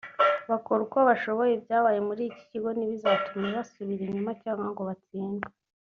bakora uko bashoboye ibyabaye muri iki kigo ntibizatume basubira inyuma cyangwa ngo batsindwe